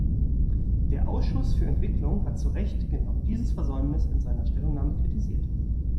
Der Ausschuss für Entwicklung hat zu Recht genau dieses Versäumnis in seiner Stellungnahme kritisiert.